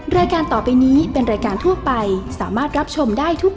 รายการต่อไปนี้เป็นรายการทั่วไปสามารถรับชมได้ทุก